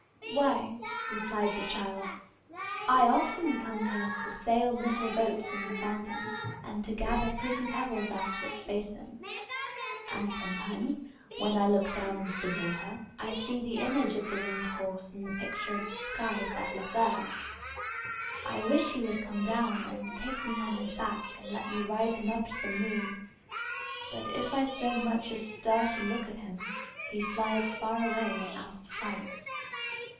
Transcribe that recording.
"Why," replied the child, "I often come here to sail little boats in the fountain, and to gather pretty pebbles out of its basin. And sometimes, when I look down into the water, I see the image of the winged horse in the picture of the sky that is there. I wish he would come down, and take me on his back, and let me ride him up to the moon! But, if I so much as stir to look at him, he flies far away out of sight."